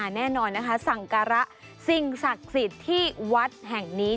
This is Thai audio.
แน่นอนนะคะสั่งการะสิ่งศักดิ์สิทธิ์ที่วัดแห่งนี้